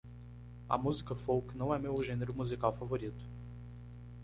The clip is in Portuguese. A música folk não é meu gênero musical favorito.